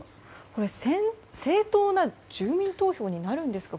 これは正当な住民投票になるんですか？